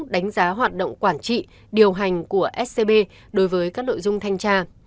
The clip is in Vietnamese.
đánh giá hoạt động quản trị điều hành của scb đối với các nội dung thanh tra